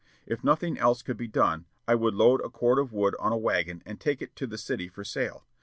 If nothing else could be done, I would load a cord of wood on a wagon and take it to the city for sale.